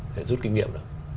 phải rút kinh nghiệm